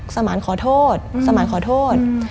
สมานขอโทษสมานขอโทษ